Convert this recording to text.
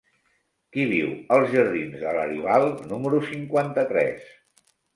Qui viu als jardins de Laribal número cinquanta-tres?